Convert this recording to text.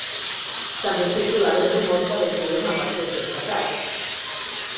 També circulaven rumors d'aventures amb actors destacats.